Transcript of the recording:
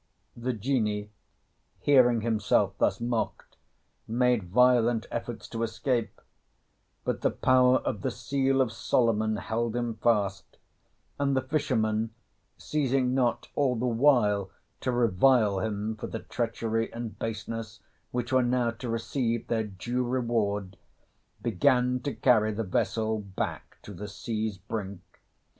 The Genie, hearing himself thus mocked, made violent efforts to escape; but the power of the seal of Solomon held him fast, and the fisherman, ceasing not all the while to revile him for the treachery and baseness which were now to receive their due reward, began to carry the vessel back to the sea's brink.